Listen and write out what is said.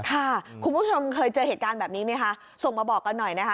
คุณผู้ชมเคยเจอเหตุการณ์แบบนี้ไหมคะส่งมาบอกกันหน่อยนะคะ